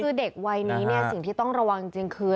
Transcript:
คือเด็กวัยนี้เนี่ยสิ่งที่ต้องระวังจริงคือ